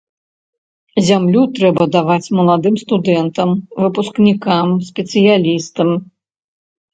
Зямлю трэба даваць маладым, студэнтам, выпускнікам, спецыялістам.